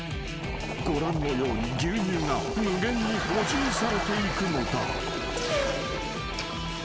［ご覧のように牛乳が無限に補充されていくのだ］